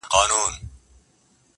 د ړندو په ښار کي يو سترگی باچا دئ.